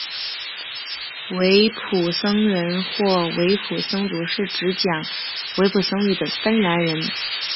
维普森人或维普森族是指讲维普森语的芬兰人。